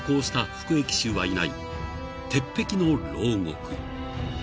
［鉄壁の牢獄］